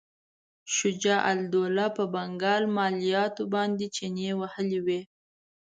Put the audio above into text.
شجاع الدوله په بنګال مالیاتو باندې چنې وهلې وې.